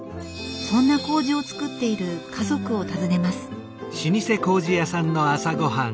そんなこうじをつくっている家族を訪ねます。